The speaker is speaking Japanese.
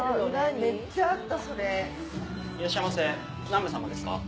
いらっしゃいませ何名様ですか？